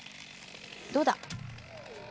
どうだ！